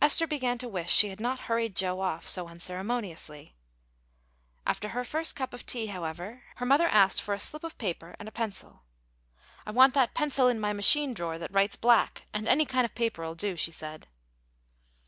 Esther began to wish she had not hurried Joe off so unceremoniously. After her first cup of tea, however, her mother asked for a slip of paper and a pencil. "I want that pencil in my machine drawer, that writes black, and any kind of paper'll do," she said.